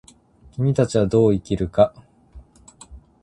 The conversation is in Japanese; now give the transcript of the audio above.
君たちはどう生きるか。